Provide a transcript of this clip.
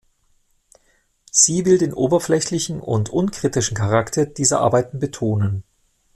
Sie will den oberflächlichen und unkritischen Charakter dieser Arbeiten betonen.